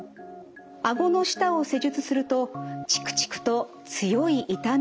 顎の下を施術するとチクチクと強い痛みを感じました。